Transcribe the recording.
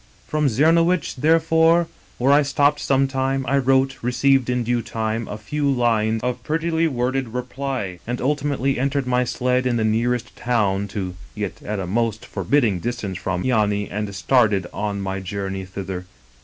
" From Czemowicz, therefore, where I stopped some time, I wrote, received in due time a few lines of prettily worded reply, and ultimately entered my sled in the nearest town to, yet at a most forbidding distance from, Yany, and started on my journey thither.